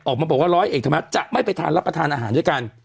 ออกมาบอกว่าร้อยเอกธรรมนัฐจะไม่ไปทานรับประทานอาหารด้วยกัน